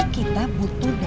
kita butuh dapet duit